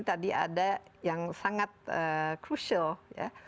tadi ada yang sangat crucial ya